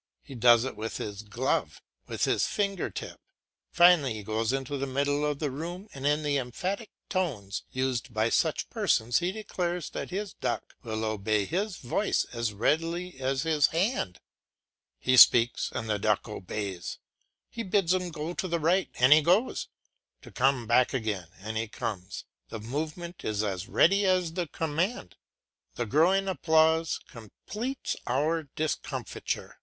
He does it with his glove, with his finger tip. Finally he goes into the middle of the room and in the emphatic tones used by such persons he declares that his duck will obey his voice as readily as his hand; he speaks and the duck obeys; he bids him go to the right and he goes, to come back again and he comes. The movement is as ready as the command. The growing applause completes our discomfiture.